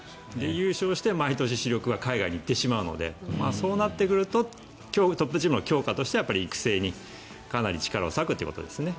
優勝して毎年主力が海外に行ってしまうのでそうなってくるとトップチームの強化としては育成に、かなり力を割くということですね。